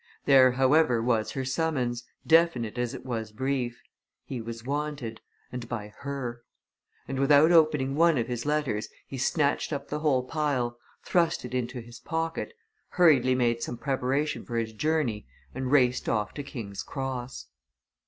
There, however, was her summons, definite as it was brief. He was wanted and by her. And without opening one of his letters, he snatched up the whole pile, thrust it into his pocket, hurriedly made some preparation for his journey and raced off to King's Cross.